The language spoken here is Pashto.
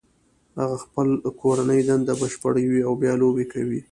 هغه خپل کورنۍ دنده بشپړوي او بیا لوبې کوي